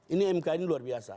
ini mk ini luar biasa